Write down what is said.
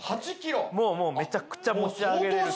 めちゃくちゃ持ち上げられると。